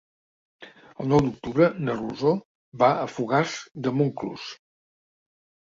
El nou d'octubre na Rosó va a Fogars de Montclús.